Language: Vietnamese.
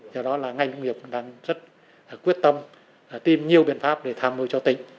do đó là ngành công nghiệp cũng đang rất quyết tâm tìm nhiều biện pháp để tham môi cho tỉnh